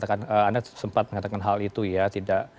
anda sempat mengatakan hal itu ya